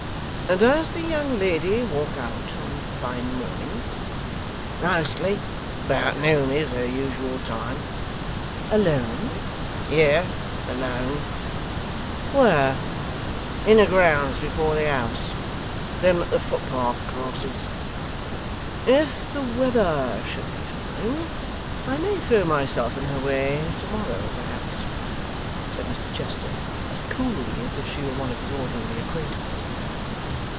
Does the young lady walk out, on fine mornings?' 'Mostly about noon is her usual time.' 'Alone?' 'Yes, alone.' 'Where?' 'In the grounds before the house. Them that the footpath crosses.' 'If the weather should be fine, I may throw myself in her way to morrow, perhaps,' said Mr Chester, as coolly as if she were one of his ordinary acquaintance.